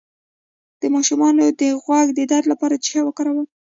د ماشوم د غوږ د درد لپاره څه شی وکاروم؟